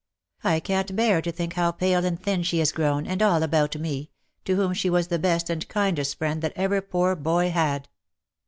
I can't bear to think how pale and thin she is grown, and all about me, to whom she was the best and kindest friend that ever poor boy had.